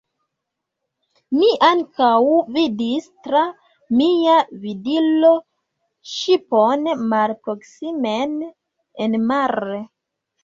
Mi ankaŭ vidis tra mia vidilo ŝipon malproksimen enmare.